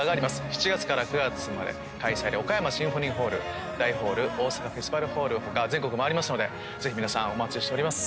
７月から９月まで開催で岡山シンフォニーホール大ホール大阪フェスティバルホール他全国回りますのでぜひ皆さんお待ちしております。